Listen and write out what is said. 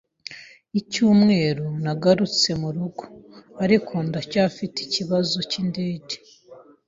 Icyumweru nagarutse murugo, ariko ndacyafite ikibazo cyindege.